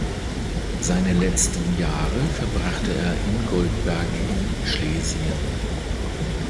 Seine letzten Jahre verbrachte er in Goldberg in Schlesien.